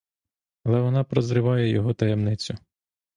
Але вона прозріває його таємницю.